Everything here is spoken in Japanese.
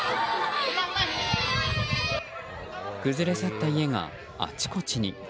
崩れ去った家があちこちに。